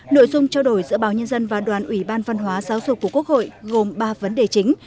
nội dung trao đổi giữa báo nhân dân và đoàn ủy ban văn hóa giáo dục của quốc hội gồm ba vấn đề chính